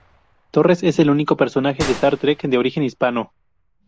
Torres es el único personaje de "Star Trek" de origen hispano.